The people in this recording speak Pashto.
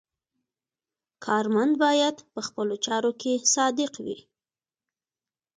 کارمند باید په خپلو چارو کې صادق وي.